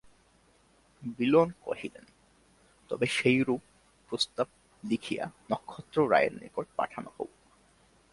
বিল্বন কহিলেন, তবে সেইরূপ প্রস্তাব লিখিয়া নক্ষত্ররায়ের নিকট পাঠানো হউক।